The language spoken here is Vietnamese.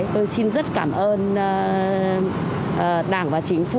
tôi xin rất cảm ơn đảng và chính phủ